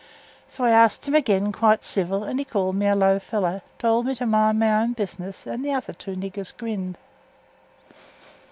So I asked him again quite civil, and he called me a low fellow, towld me to mind my own business, and the other two niggers grinned.